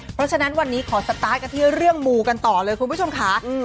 เพราะฉะนั้นวันนี้ขอสตาร์ทกันที่เรื่องมูกันต่อเลยคุณผู้ชมค่ะ